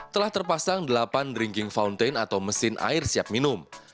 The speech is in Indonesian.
telah terpasang delapan drinking fountain atau mesin air siap minum